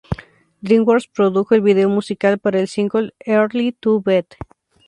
Dreamworks produjo el video musical para el single "Early to Bed".